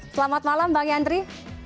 selamat malam bang yandri